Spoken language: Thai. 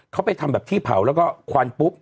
เขาไปทำแบบที่เผาแล้วก็ควันปุ๊บ